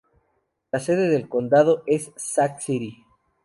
La sede del condado es Sac City.